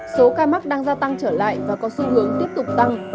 số ca mắc đang gia tăng trở lại và có xu hướng tiếp tục tăng